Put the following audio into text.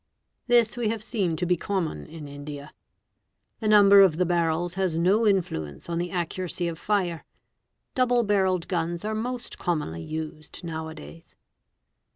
This we have seen to be common in India. The number of the barrels has no influence on the accuracy of fire; double barrelled guns are most commonly used now a days.